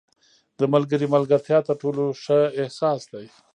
• د ملګري ملګرتیا تر ټولو ښه احساس دی.